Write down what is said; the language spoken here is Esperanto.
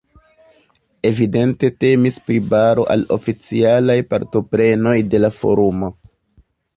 Evidente temis pri baro al oficialaj partoprenoj de la forumo.